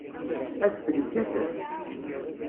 Adfel ikkat-d.